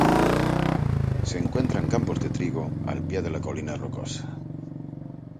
Se encuentran campos de trigo, al pie de la colina rocosa.